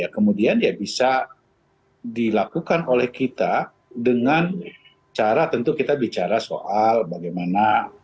kemudian ya bisa dilakukan oleh kita dengan cara tentu kita bicara soal bagaimana